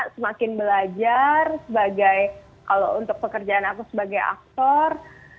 semakin belajar sebagai kalau untuk pekerjaan aku sebagai aktor